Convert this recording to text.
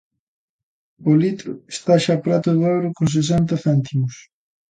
O litro está xa preto do euro con sesenta céntimos.